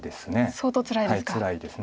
相当つらいですか。